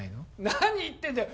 何言ってんだよ